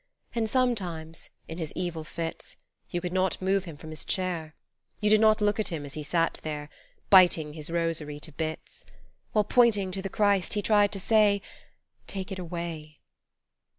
And sometimes, in his evil fits, You could not move him from his chair You did not look at him as he sat there, Biting his rosary to bits. While pointing to the Christ he tried to say " Take it away."